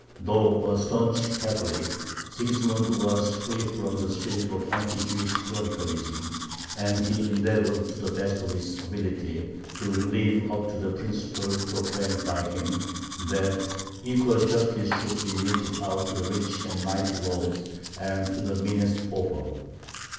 Though a staunch Catholic, Sigismund was free from the spirit of anti Jewish clericalism, and he endeavored to the best of his ability to live up to the principle proclaimed by him, that "equal justice should be meted out to the rich and mighty lords and to the meanest pauper."